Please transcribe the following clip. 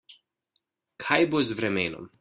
Kaj bo z vremenom?